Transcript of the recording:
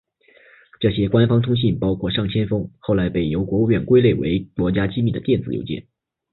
这些官方通信包括上千封后来被由国务院归类为国家机密的电子邮件。